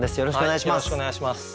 よろしくお願いします。